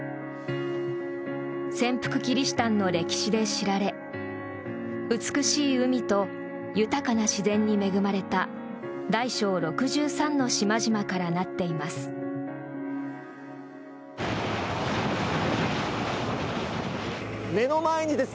潜伏キリシタンの歴史で知られ美しい海と豊かな自然に恵まれた大小６３の島々から成っています。